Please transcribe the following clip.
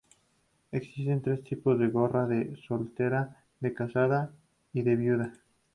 Existen tres tipos de gorra: de soltera, de casada y de viuda.